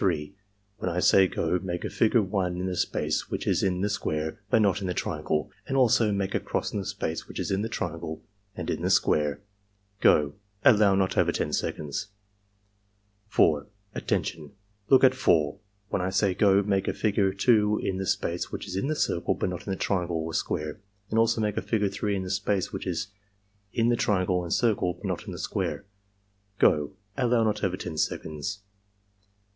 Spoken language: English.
When 1 say 'go' make a figure 1 in the space which is in the square but not in the triangle, and also make a cross in the space which is in the triangle and in the square. — Go!" (Allow not over 10 seconds.) 4. ''Attention! Look at 4. When I say 'go' make a figure 2 in the space which is in the circle but not in the triangle or square, and also make a figure 3 in the space which is in the triangle and circle, but not in the square. — Go!" (Allow not over 10 seconds.)